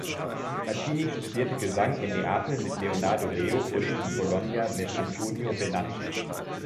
Mancini studierte Gesang in Neapel mit Leonardo Leo und in Bologna mit Antonio Bernacchi.